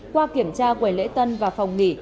qua kiểm tra quầy lễ tân và phòng nghỉ